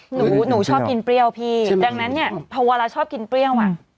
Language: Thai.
หนูหนูชอบกินเปรี้ยวพี่ดังนั้นเนี่ยพอเวลาชอบกินเปรี้ยวอ่ะ